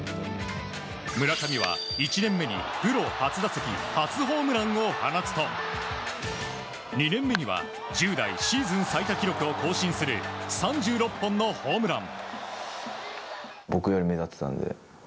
村上は１年目にプロ初打席初ホームランを放つと２年目には１０代シーズン最多記録を更新する３６本のホームラン。